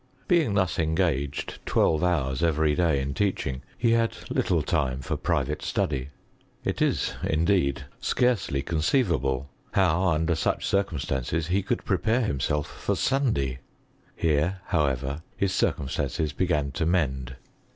Being thus engaged twelve bouis every day in teaching, he had little time for privata study. It is, indeed, scarcely conceivable how, under such circumstances, he could prepare himself for Sunday. Here, however, his circumstances began to mend.